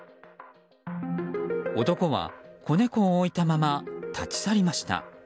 男は子猫を置いたまま立ち去りました。